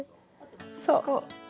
そう！